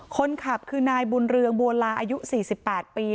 คนขับคือนายบุญเรืองบัวลาอายุ๔๘ปี